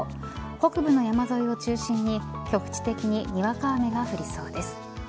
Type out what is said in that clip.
北部の山沿いを中心に局地的ににわか雨が降りそうです。